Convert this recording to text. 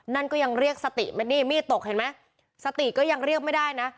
นั่นก็ยังเรียกสติมานี่มีดตกเห็นไหมสติก็ยังเรียกไม่ได้นะ